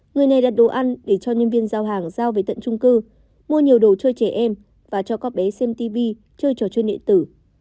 người này đặt đồ ăn để cho nhân viên giao hàng giao về tận trung cư mua nhiều đồ chơi trẻ em và cho các bé xem tv chơi trò chơi điện tử